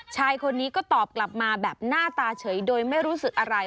ชายคนนี้ก็ตอบกลับมาแบบหน้าตาเฉยโดยไม่รู้สึกอะไร